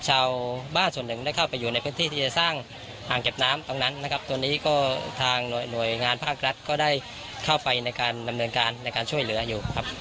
ชาวบ้านส่วนหนึ่งได้เข้าไปอยู่ในพื้นที่ที่จะสร้างอ่างเก็บน้ำตรงนั้นนะครับตัวนี้ก็ทางหน่วยงานภาครัฐก็ได้เข้าไปในการดำเนินการในการช่วยเหลืออยู่ครับ